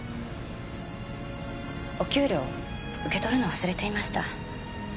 お給料受け取るの忘れていました。